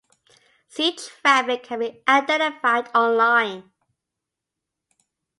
Sea traffic can be identified online.